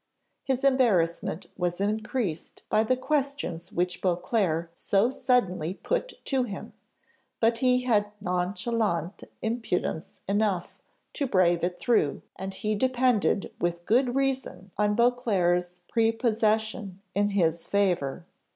His embarrassment was increased by the questions which Beauclerc so suddenly put to him; but he had nonchalante impudence enough to brave it through, and he depended with good reason on Beauclerc's prepossession in his favour.